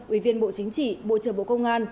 ủy viên bộ chính trị bộ trưởng bộ công an